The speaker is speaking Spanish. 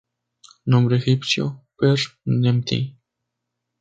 Nombre egipcio Per-Nemty.